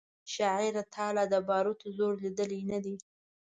شاعره تا لا د باروتو زور لیدلی نه دی